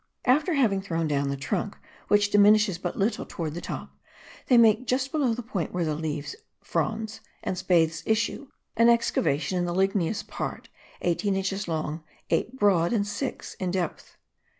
After having thrown down the trunk, which diminishes but little towards the top, they make just below the point whence the leaves (fronds) and spathes issue, an excavation in the ligneous part, eighteen inches long, eight broad, and six in depth.